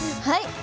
はい。